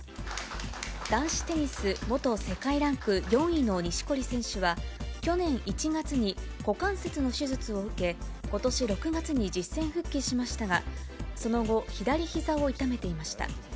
男子テニス元世界ランク４位の錦織選手は、去年１月に股関節の手術を受け、ことし６月に実戦復帰しましたが、その後、左ひざを痛めていました。